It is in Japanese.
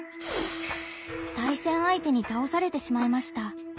対戦相手に倒されてしまいました。